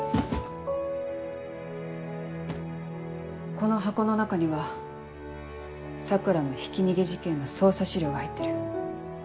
この箱の中には桜のひき逃げ事件の捜査資料が入ってる。